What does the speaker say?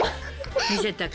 見せたか。